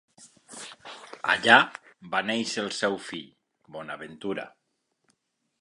Allà va néixer el seu fill Bonaventura.